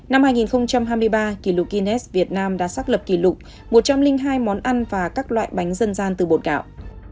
năm hai nghìn hai mươi ba kỷ lục guinness việt nam đã xác lập kỷ lục một trăm linh hai món ăn và các loại bánh dân gian từ bột gạo